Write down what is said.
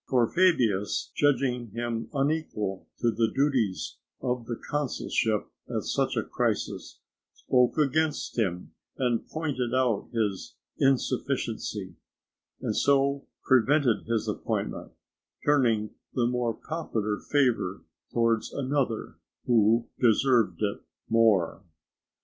For Fabius judging him unequal to the duties of the consulship at such a crisis, spoke against him and pointed out his insufficiency, and so prevented his appointment, turning the popular favour towards another who deserved it more.